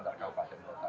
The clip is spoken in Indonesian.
antara kabupaten dan kota